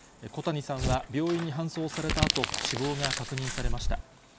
小谷さんは病院に搬送されたあと、死亡が確認されました。